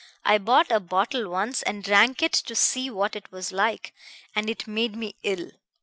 I bought a bottle once and drank it to see what it was like, and it made me ill.